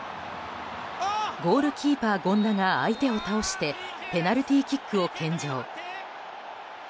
ゴールキーパー権田が相手を倒してペナルティーキックを献上。